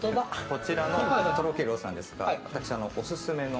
こちらのとろけるロースですがオススメの